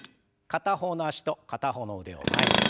片方の脚と片方の腕を前に。